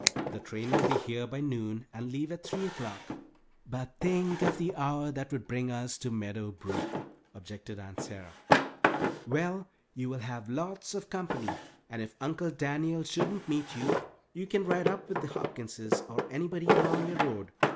The train will be here by noon and leave at three o'clock." "But think of the hour that would bring us to Meadow Brook!" objected Aunt Sarah. "Well, you will have lots of company, and if Uncle Daniel shouldn't meet you, you can ride up with the Hopkinses or anybody along your road."